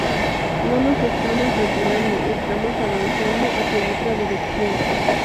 No nos estamos retirando, estamos avanzando hacia otra dirección.